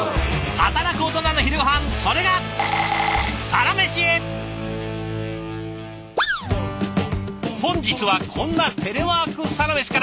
働くオトナの昼ごはんそれが本日はこんなテレワークサラメシから。